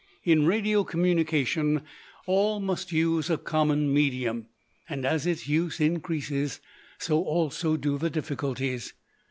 In radio communication all must use a common medium, and as its use increases, so also do the difficulties.